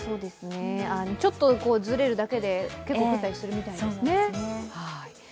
ちょっとずれるだけで結構降ったりするみたいですね。